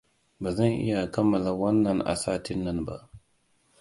Ba zan iya kammala wannan a satin nan ba.